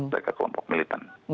mereka kelompok militan